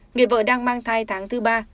người vợ đang mang thai tháng thứ ba